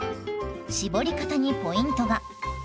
搾り方にポイントが！